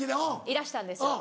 いらしたんですよ。